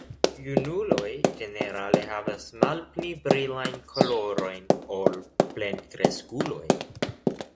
Junuloj ĝenerale havas malpli brilajn kolorojn ol plenkreskuloj.